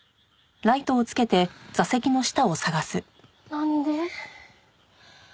なんで？